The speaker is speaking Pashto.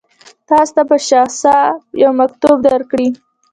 تاسو ته به شخصا یو مکتوب درکړي.